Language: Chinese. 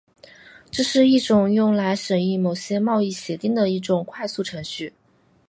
这是一种用来审议某些贸易协定的一种快速程序。